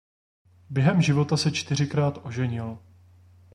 Během života se čtyřikrát oženil.